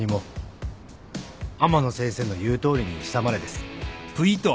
天野先生の言うとおりにしたまでです。